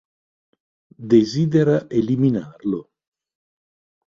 Desidera eliminarlo.